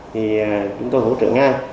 thì chúng tôi hỗ trợ ngay